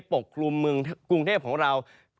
ปกคลุมเมืองกรุงเทพของเรา